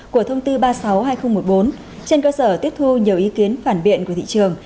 của thông tư ba mươi sáu hai nghìn một mươi bốn trên cơ sở tiếp thu nhiều ý kiến phản biện của thị trường